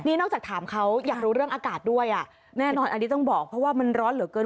นี่นอกจากถามเขาอยากรู้เรื่องอากาศด้วยอ่ะแน่นอนอันนี้ต้องบอกเพราะว่ามันร้อนเหลือเกิน